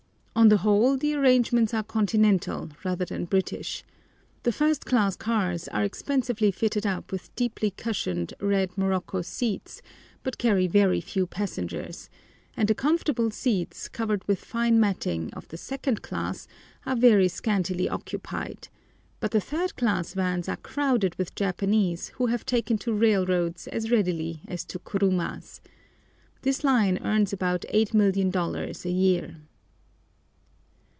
On the whole, the arrangements are Continental rather than British. The first class cars are expensively fitted up with deeply cushioned, red morocco seats, but carry very few passengers, and the comfortable seats, covered with fine matting, of the 2d class are very scantily occupied; but the 3d class vans are crowded with Japanese, who have taken to railroads as readily as to kurumas. This line earns about $8,000,000 a year.